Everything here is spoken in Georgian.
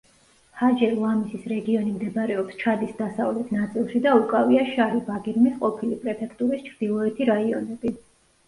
ჰაჯერ-ლამისის რეგიონი მდებარეობს ჩადის დასავლეთ ნაწილში და უკავია შარი-ბაგირმის ყოფილი პრეფექტურის ჩრდილოეთი რაიონები.